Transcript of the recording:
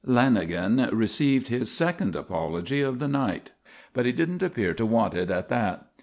Lanagan received his second apology of the night; but he didn't appear to want it at that.